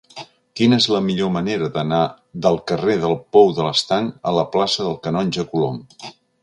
Quina és la millor manera d'anar del carrer del Pou de l'Estanc a la plaça del Canonge Colom?